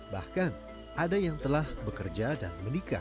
bahkan ada yang telah bekerja dan menikah